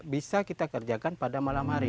bisa kita kerjakan pada malam hari